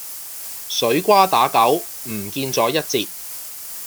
水瓜打狗唔見咗一截